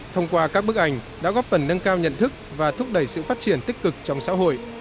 thông qua các bức ảnh đã góp phần nâng cao nhận thức và thúc đẩy sự phát triển tích cực trong xã hội